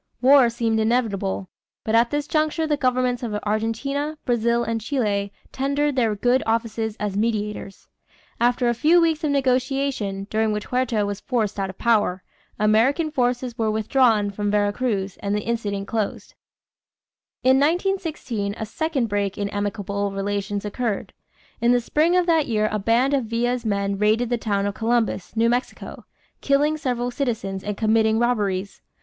War seemed inevitable, but at this juncture the governments of Argentina, Brazil, and Chile tendered their good offices as mediators. After a few weeks of negotiation, during which Huerta was forced out of power, American forces were withdrawn from Vera Cruz and the incident closed. In 1916 a second break in amicable relations occurred. In the spring of that year a band of Villa's men raided the town of Columbus, New Mexico, killing several citizens and committing robberies.